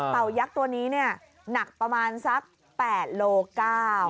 เต่ายักษ์ตัวนี้เนี่ยหนักประมาณสักแปดโลเก้า